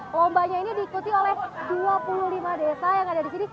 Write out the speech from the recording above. lombanya ini diikuti oleh dua puluh lima desa yang ada di sini